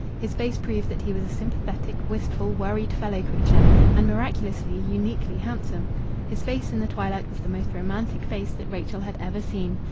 His face proved that he was a sympathetic, wistful, worried fellow creature and miraculously, uniquely handsome. His face in the twilight was the most romantic face that Rachel had ever seen.